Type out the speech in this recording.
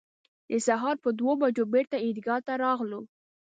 د سهار پر دوه بجو بېرته عیدګاه ته راغلو.